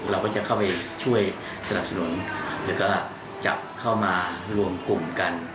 เราก็จะเข้าไปช่วยสนับสนุนแล้วก็จับเข้ามารวมกลุ่มกัน